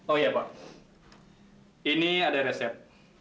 oh iya pak ini ada resep